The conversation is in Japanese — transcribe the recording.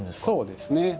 そうですね。